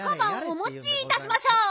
おもちいたしましょう。